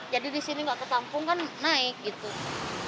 jadi di sini enggak ketampung kan naik